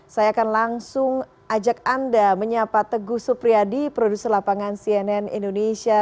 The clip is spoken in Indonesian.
saya akan langsung ajak anda menyapa teguh supriyadi produser lapangan cnn indonesia